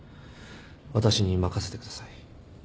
私に任せてください。